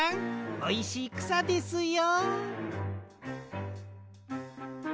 おいしいくさですよ。